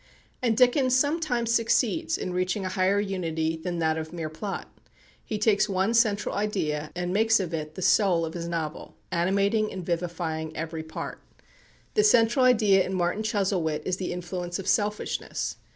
And Dickens sometimes succeeds in reaching a higher unity than that of mere plot. He takes one central idea, and makes of it the soul of his novel, animating and vivifying every part. That central idea in "Martin Chuzzlewit" is the influence of selfishness.